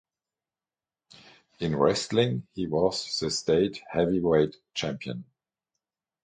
In wrestling, he was the state heavyweight champion.